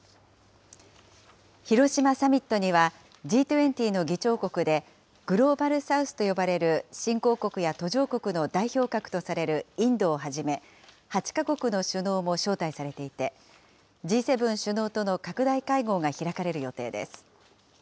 広島サミットには、Ｇ２０の議長国で、グローバル・サウスと呼ばれる新興国や途上国の代表格とされるインドをはじめ、８か国の首脳も招待されていて、Ｇ７首脳との拡大会合が開かれる予定です。